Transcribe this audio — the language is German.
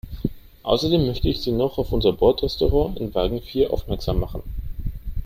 Außerdem möchte ich Sie noch auf unser Bordrestaurant in Wagen vier aufmerksam machen.